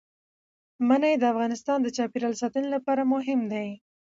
منی د افغانستان د چاپیریال ساتنې لپاره مهم دي.